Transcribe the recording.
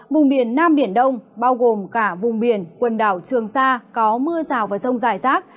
vùng biển nam biển đông bao gồm cả vùng biển quần đảo trường sa có mưa rào và rông dài rác